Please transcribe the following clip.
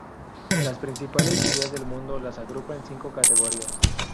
Las principales ideas del mundo las agrupa en cinco categorías.